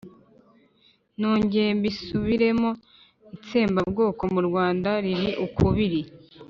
nongere mbisubiremo, itsembabwoko mu rwanda liri ukubiri.